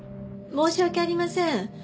申し訳ありません。